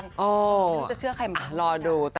อ๋อรอดูแต่ว่าจะเชื่อใครเหมือนกันนะ